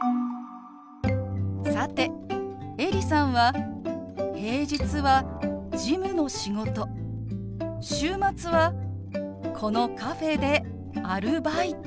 さてエリさんは平日は事務の仕事週末はこのカフェでアルバイト。